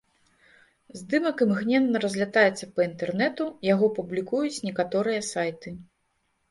Здымак імгненна разлятаецца па інтэрнэту, яго публікуюць некаторыя сайты.